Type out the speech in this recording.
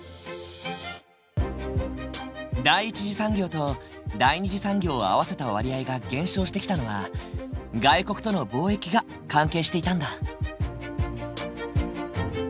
第一次産業と第二次産業を合わせた割合が減少してきたのは外国との貿易が関係していたんだ。